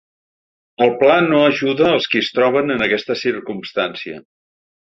El pla no ajuda els qui es troben en aquesta circumstància.